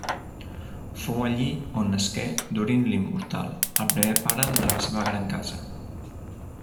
Fou allí on nasqué Durin l'Immortal, el primer pare de la seva gran casa.